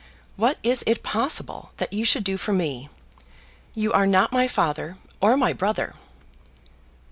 What is it possible that you should do for me? You are not my father, or my brother."